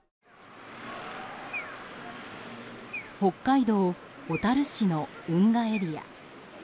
北海道小樽市の運河エリア。